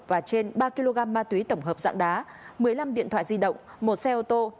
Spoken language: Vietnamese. và trên ba kg ma túy tổng hợp dạng đá một mươi năm điện thoại di động một xe ô tô